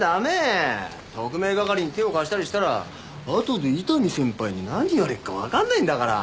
特命係に手を貸したりしたら後で伊丹先輩に何言われるかわかんないんだから。